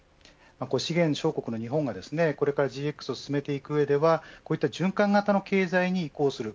資源小国の日本がこれからＧＸを進めていく上では循環型の経済に移行する。